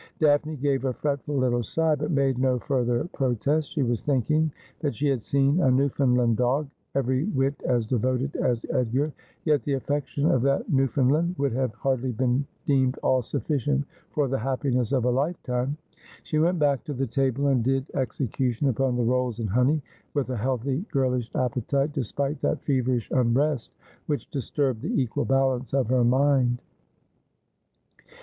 Daphne gave a fretful little sigh, but made no further pro test. She was thinking that she had seen a Newfoundland dog every whit as devoted as Edgar. Yet the affection of that New foundland would have hardly been deemed all sufficient for the happiness of a lifetime. She went back to the table, and did execution upon the rolls and honey with a healthy girlish appetite, despite that feverish unrest which disturbed the equal balance of her mind.